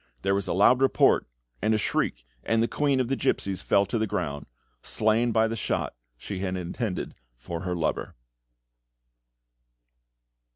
There was a loud report, and a shriek, and the queen of the gipsies fell to the ground, slain by the shot she had intended for her lover.